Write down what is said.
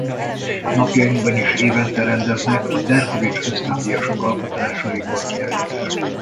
Napjainkban is évente rendeznek a Derkovits-ösztöndíjasok alkotásaiból kiállítást.